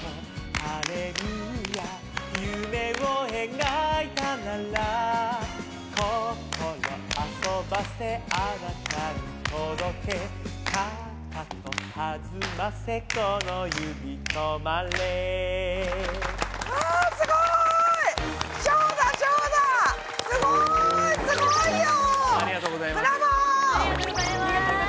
ありがとうございます。